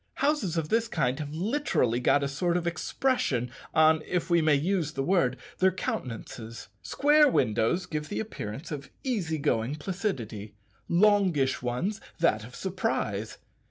Houses of this kind have literally got a sort of expression on if we may use the word their countenances. Square windows give the appearance of easy going placidity; longish ones, that of surprise.